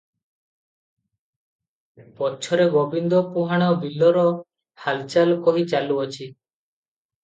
ପଛରେ ଗୋବିନ୍ଦ ପୁହାଣ ବିଲର ହାଲଚାଲ କହି ଚାଲୁଅଛି